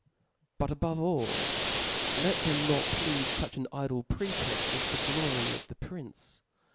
But above all, let them not plead fuch an idle pretext as the glory of the prince.